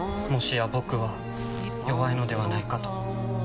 もしや僕は弱いのではないかと。